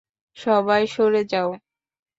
সবাই সরে যাও!